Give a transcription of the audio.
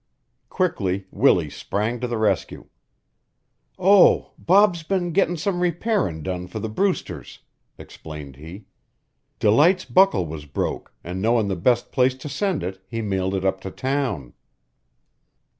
Quickly Willie sprang to the rescue. "Oh, Bob's been gettin' some repairin' done for the Brewsters," explained he. "Delight's buckle was broke an' knowin' the best place to send it, he mailed it up to town."